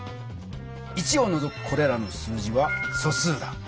１をのぞくこれらの数字は「素数」だ。